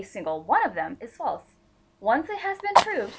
single one of them is false. Once it has been proved, e.